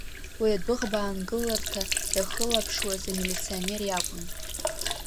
Уи адәыӷба аангыларҭа иахылаԥшуаз амилиционер иакәын.